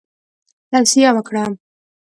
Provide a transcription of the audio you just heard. توصیه وکړه.